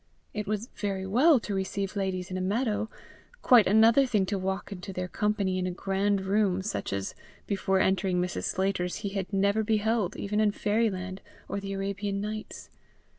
It was very well to receive ladies in a meadow, quite another thing to walk into their company in a grand room, such as, before entering Mrs. Sclater's, he had never beheld even in Fairyland or the Arabian Nights.